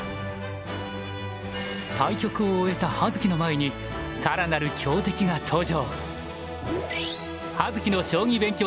対局を終えた葉月の前にさらなる強敵が登場。